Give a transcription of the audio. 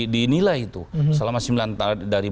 dinilai itu dari